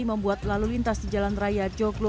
membuat lalu lintas di jalan raya joglo